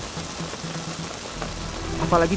apalagi cuaca mendadak ekstrim gini